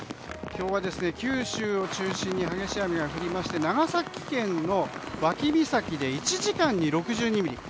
今日は、九州を中心に激しい雨が降りまして長崎県の脇岬で１時間に６２ミリ。